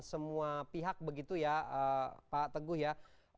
semua pihak begitu ya pak teguh ya